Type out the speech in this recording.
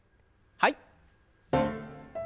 はい。